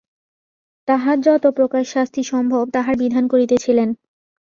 তাহার যত প্রকার শাস্তি সম্ভব তাহার বিধান করিতেছিলেন।